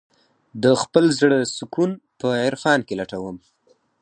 د خپل زړه سکون په عرفان کې لټوم.